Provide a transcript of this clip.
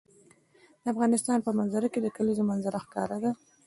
د افغانستان په منظره کې د کلیزو منظره ښکاره ده.